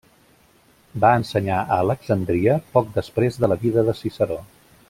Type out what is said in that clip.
Va ensenyar a Alexandria poc després de la vida de Ciceró.